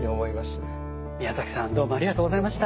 宮崎さんどうもありがとうございました。